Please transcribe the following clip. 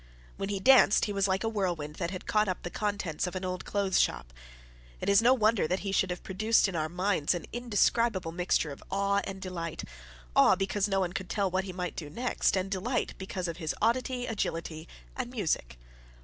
When he danced, he was like a whirlwind that had caught up the contents of an old clothes shop. It is no wonder that he should have produced in our minds an indescribable mixture of awe and delight awe, because no one could tell what he might do next, and delight because of his oddity, agility, and music.